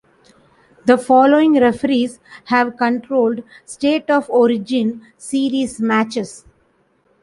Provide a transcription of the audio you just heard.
The following referees have controlled State of Origin series matches.